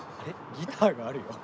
ギターがあるよ。